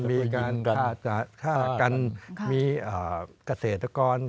มีการฆ่ากันมีเกษตรกร